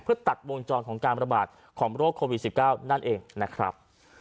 เพื่อตัดวงจรของการระบาดของโรคโควิด๑๙นั่นเองนะครับ